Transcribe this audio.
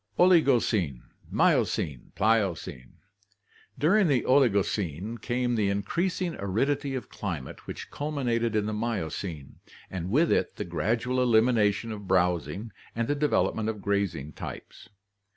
Oligocene, Miocene, Pliocene. — During the Oligocene came the increasing aridity of climate which culminated in the Miocene, and with it the gradual elimination of browsing and the development of grazing types.